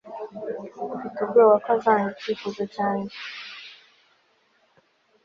Mfite ubwoba ko azanga icyifuzo cyanjye